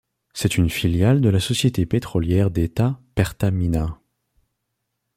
C'est une filiale de la société pétrolière d'État Pertamina.